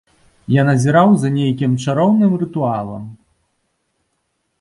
Я назіраў за нейкім чароўным рытуалам.